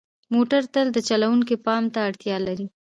موټر تل د چلوونکي پام ته اړتیا لري.